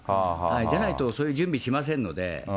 じゃないと、そういう準備しませんので。